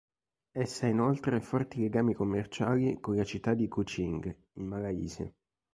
Essa ha inoltre forti legami commerciali con la città di Kuching, in Malaysia.